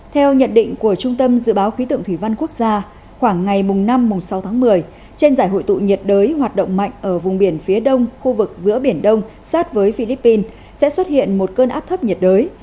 theo nhận định của trung tâm dự báo khí tượng thủy văn quốc gia khoảng ngày năm sáu tháng một mươi trên giải hội tụ nhiệt đới hoạt động mạnh ở vùng biển phía đông khu vực giữa biển đông sát với philippines sẽ xuất hiện một cơn áp thấp nhiệt đới